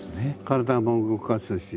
体も動かすし。